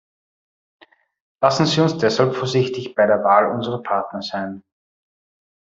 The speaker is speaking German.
Lassen Sie uns deshalb vorsichtig bei der Wahl unserer Partner sein.